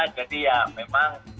jadi ya memang